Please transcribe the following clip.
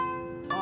あ！